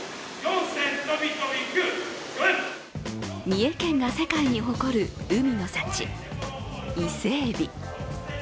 三重県が世界に誇る海の幸、伊勢えび。